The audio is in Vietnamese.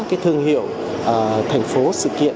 cái thương hiệu thành phố sự kiện